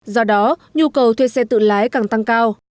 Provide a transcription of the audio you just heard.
do đó nhu cầu thuê xe tự lái càng tăng cao